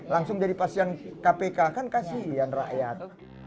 langsung jadi pasien kpk kan kasih pilihan rakyat